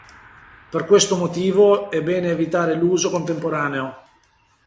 Per questo motivo è bene evitare l'uso contemporaneo.